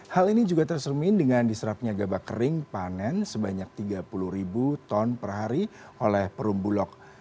hal ini juga tersermin dengan diserapnya gabah kering panen sebanyak tiga puluh ribu ton per hari oleh perumbulok